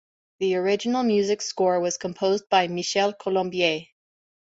The original music score was composed by Michel Colombier.